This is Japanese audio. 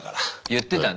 言ってたね。